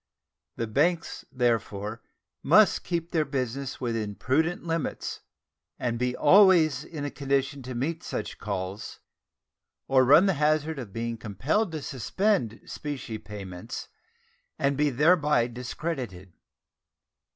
The banks, therefore, must keep their business within prudent limits, and be always in a condition to meet such calls, or run the hazard of being compelled to suspend specie payments and be thereby discredited.